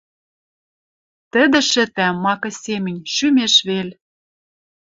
Тӹдӹ шӹтӓ, макы семӹнь, шӱмеш вел...